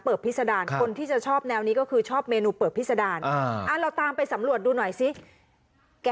เพราะฉะนั้นแฟนผลับลูกชิ้นปลาสบายใจไปอีกหนึ่งนะคะ